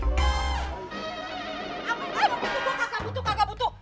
eh begitu kagak butuh kagak butuh